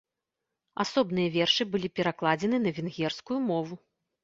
Асобныя вершы былі перакладзены на венгерскую мову.